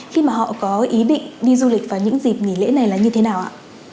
khi mà họ có ý định đi du lịch vào những dịp nghỉ lễ này là như thế nào ạ